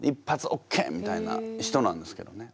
オッケーみたいな人なんですけどね